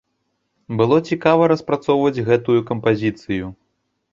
Было цікава распрацоўваць гэтую кампазіцыю.